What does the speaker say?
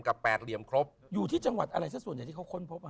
กับแปดเหลี่ยมครบอยู่ที่จังหวัดอะไรสุดที่เขาค้นพบ